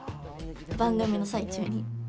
番組の最中に。